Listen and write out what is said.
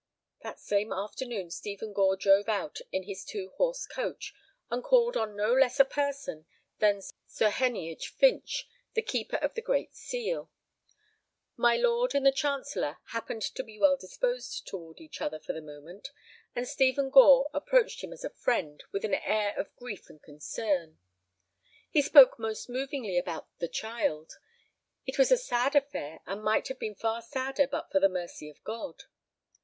That same afternoon Stephen Gore drove out in his two horse coach, and called on no less a person than Sir Heneage Finch, the Keeper of the Great Seal. My lord and the chancellor happened to be well disposed toward each other for the moment, and Stephen Gore approached him as a friend with an air of grief and of concern. He spoke most movingly about "the child." It was a sad affair, and might have been far sadder but for the mercy of God.